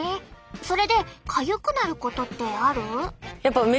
それでかゆくなることってある？